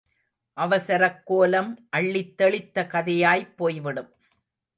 அவசரக்கோலம் அள்ளித் தெளித்த கதையாய்ப் போய்விடும்.